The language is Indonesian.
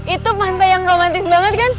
itu pantai yang romantis banget kan